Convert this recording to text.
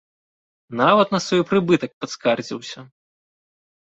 Нават на свой прыбытак паскардзіўся!